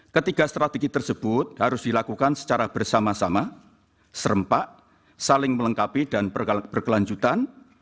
ketiga strategi tersebut harus dilakukan secara bersama sama serempak saling melengkapi dan berkelanjutan